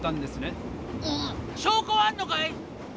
証拠はあんのかい？